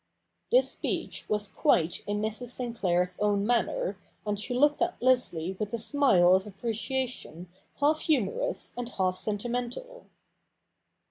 i This speech was quite in Mrs. Siiiiplair's own manner, and she looked at Leslie with a smile of appreciation half humorous and half sentimental.